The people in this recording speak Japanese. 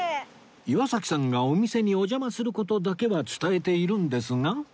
岩崎さんがお店にお邪魔する事だけは伝えているんですが